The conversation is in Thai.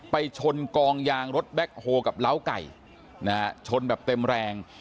ไปชนกองยางรถแบ็คโฮลกับเล้าไก่นะฮะชนแบบเต็มแรง